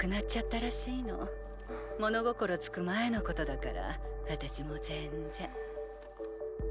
物心つく前のことだから私も全然。